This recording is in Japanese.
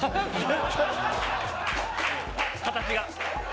形が。